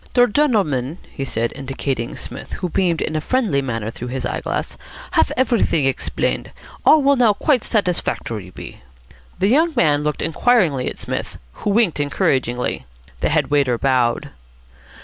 "Der gendleman," he said, indicating Psmith, who beamed in a friendly manner through his eye glass, "haf everything exblained. All will now quite satisfactory be." The young man looked inquiringly at Psmith, who winked encouragingly. The head waiter bowed.